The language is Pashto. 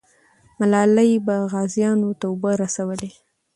ملالۍ به غازیانو ته اوبه رسولې.